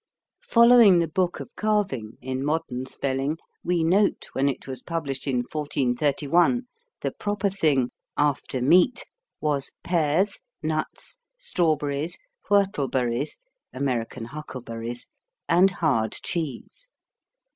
Following The Book of Keruynge in modern spelling we note when it was published in 1431 the proper thing "after meat" was "pears, nuts, strawberries, whortleberries (American huckleberries) and hard cheese."